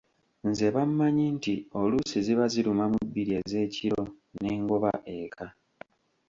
Nze bammanyi nti oluusi ziba ziruma mu bbiri ez’ekiro ne ngoba eka.